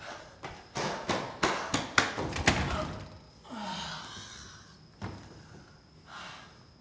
ああ。